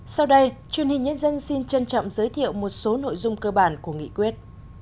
sau đây truyền hình nhân dân xin trân trọng giới thiệu một số nội dung cơ bản của nghị quyết